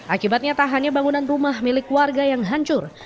akibatnya tak hanya bangunan rumah milik warga yang hancur